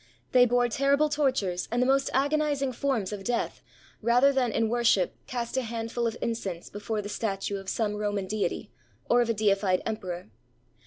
They bore terrible tortures and the most agonizing forms of death rather than in worship cast a handful of incense before the statue of some Roman deity or of a deified emperor.